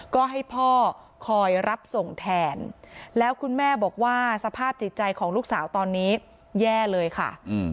ก็ให้พ่อคอยรับส่งแทนแล้วคุณแม่บอกว่าสภาพจิตใจของลูกสาวตอนนี้แย่เลยค่ะ